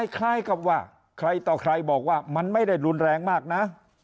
คล้ายกับว่าใครต่อใครบอกว่ามันไม่ได้รุนแรงมากนะ